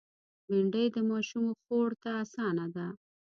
بېنډۍ د ماشومو خوړ ته آسانه ده